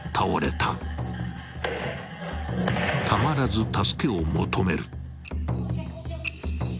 ［たまらず助けを求める］